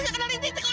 itu ga kenalin sih